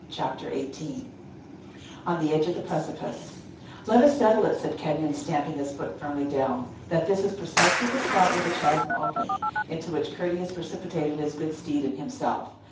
CHAPTER XVIII ON THE EDGE OF A PRECIPICE "Let us settle it," said Kenyon, stamping his foot firmly down, "that this is precisely the spot where the chasm opened, into which Curtius precipitated his good steed and himself.